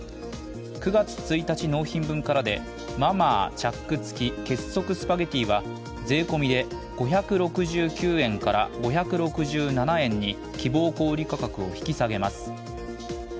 ９月１日納品分からでマ・マーチャック付結束スパゲティは税込みで５６９円から５６７円に希望小売価格を引き下げます。